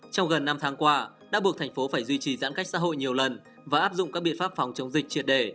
trong gần năm tháng qua đã buộc thành phố phải duy trì giãn cách xã hội nhiều lần và áp dụng các biện pháp phòng chống dịch triệt đề